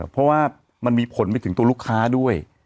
เพราะว่ามันมีผลไปถึงตัวลูกค้าด้วย